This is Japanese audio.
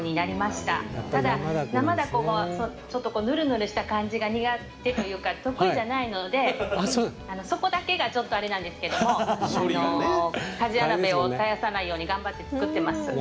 ただ生ダコもぬるぬるした感じが苦手というか得意じゃないのでそこだけがちょっとあれなんですけども鍛冶屋鍋を絶やさないように頑張って作ってます。